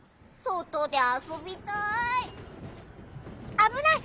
・あぶない！